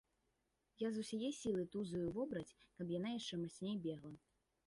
Я з усяе сілы тузаю вобраць, каб яна яшчэ мацней бегла.